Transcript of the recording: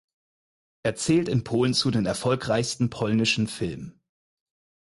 Er zählt in Polen zu den erfolgreichsten polnischen Filmen.